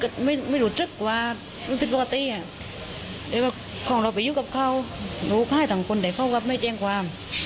ดูค่ายทางคนแต่เขาก็ไม่แจ้งความ